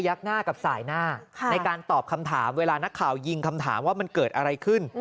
ักหน้ากับสายหน้าในการตอบคำถามเวลานักข่าวยิงคำถามว่ามันเกิดอะไรขึ้น